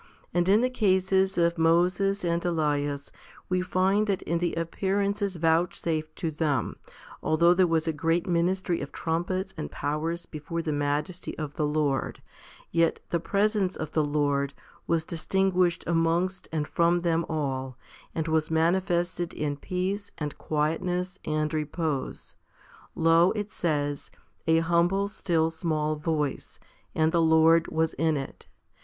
1 And in the cases of Moses and Elias we find that in the appear ances vouchsafed to them, although there was a great ministry of trumpets and powers before the majesty of the Lord, yet the presence of the Lord was distinguished amongst and from them all, and was manifested in peace and quietness and repose. Lo, it says, a humble still small voice, and the Lord was in it.